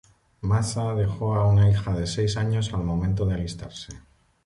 Mazza dejó a una hija de seis años al momento de alistarse.